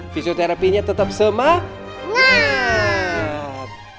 fisioterapinya tetap semangat